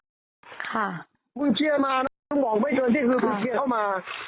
ค่ะมึงเชียร์มานะมึงหวังไม่เกินที่คือมึงเชียร์เข้ามา